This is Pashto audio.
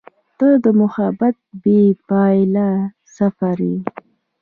• ته د محبت بېپایانه سفر یې.